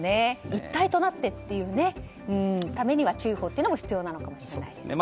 一体となってというためには注意報は必要なのかもしれないですね。